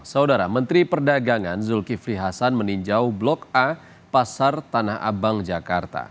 saudara menteri perdagangan zulkifli hasan meninjau blok a pasar tanah abang jakarta